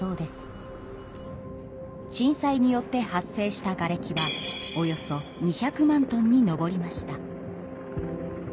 震災によって発生したがれきはおよそ２００万トンに上りました。